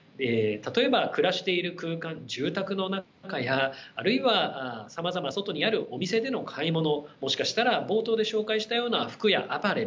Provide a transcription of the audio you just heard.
例えば暮らしている空間住宅の中やあるいはさまざま外にあるお店での買い物もしかしたら冒頭で紹介したような服やアパレル